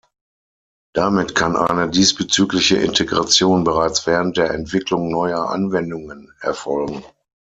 Damit kann eine diesbezügliche Integration bereits während der Entwicklung neuer Anwendungen erfolgen.